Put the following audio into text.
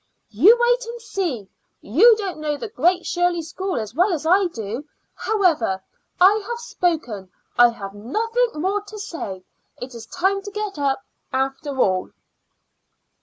"You wait and see. You don't know the Great Shirley School as well as I do. However, I have spoken; I have nothing more to say. It is time to get up, after all."